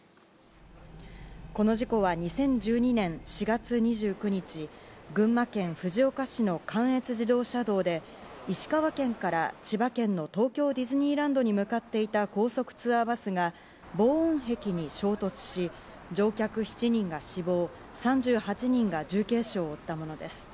この事故は２０１２年４月２９日、群馬県藤岡市の関越自動車道で、石川県から千葉県の東京ディズニーランドに向かっていた高速ツアーバスが防音壁に衝突し、乗客７人が死亡、３８人が重軽傷を負ったものです。